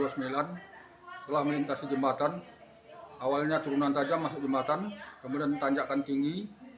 setelah melintasi jembatan awalnya turunan tajam masuk jembatan kemudian tanjakan tinggi